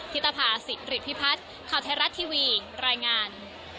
ิตภาษิริพิพัฒน์ข่าวไทยรัฐทีวีรายงาน